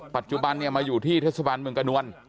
ปัจจุบันมาอยู่ที่เทศบาลเมืองกระนวล